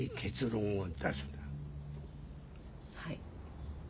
はい。